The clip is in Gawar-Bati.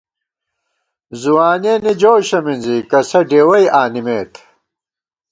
ځوانِیَنی جوشہ منزی کسہ ڈېوَئی آنِمېت